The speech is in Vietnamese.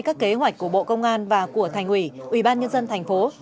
các kế hoạch của bộ công an và của thành ủy ủy ban nhân dân tp